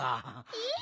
えっ？